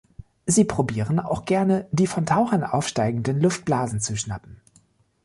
Sie probieren auch gerne die von Tauchern aufsteigenden Luftblasen zu schnappen.